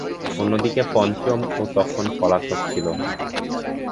অন্যদিকে পঞ্চম তখনও পলাতক ছিল।